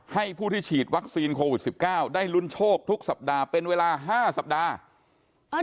ให้ผู้ที่ฉีดวัคซีนโควิด๑๙ได้ลุ้นโชคทุกสัปดาห์เป็นเวลา๕สัปดาห์